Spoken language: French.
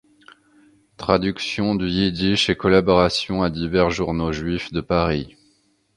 Traductions du Yiddish et collaboration à divers journaux juifs de Paris.